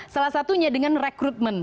salah satunya dengan rekrutmen